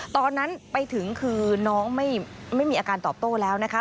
ตอนนั้นไปถึงคือน้องไม่มีอาการตอบโต้แล้วนะคะ